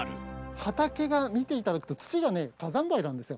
畑が、見ていただくと、土がね、火山灰なんですよ。